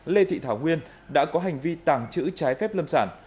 lê thị thảo nguyên đã có hành vi tàng trữ trái phép lâm sản